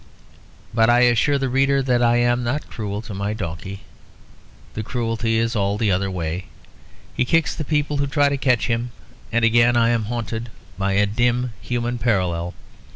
But I assure the reader that I am not cruel to my donkey; the cruelty is all the other way. He kicks the people who try to catch him; and again I am haunted by a dim human parallel.